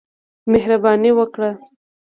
مهرباني وکړه !